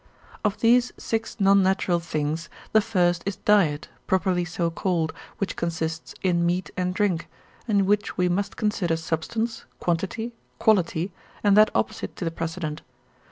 Of these six non natural things, the first is diet, properly so called, which consists in meat and drink, in which we must consider substance, quantity, quality, and that opposite to the precedent.